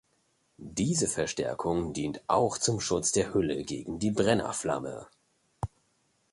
Diese Verstärkung dient auch zum Schutz der Hülle gegen die Brenner-Flamme.